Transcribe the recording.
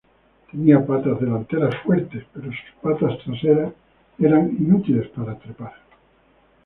Tenía patas delanteras fuertes, pero sus patas traseras eran inútiles para trepar.